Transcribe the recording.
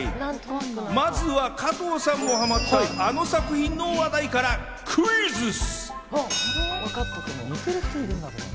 まずは加藤さんもハマったあの作品の話題からクイズッス！